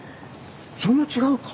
そんな違うか。